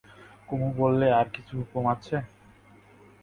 কুমু বললে, আর-কিছু হুকুম আছে?